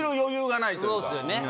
そうですよね